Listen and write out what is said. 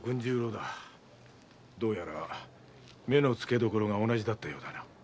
どうやら目のつけどころが同じだったようだな。